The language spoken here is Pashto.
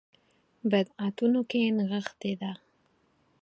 بدعتونو کې نغښې ده.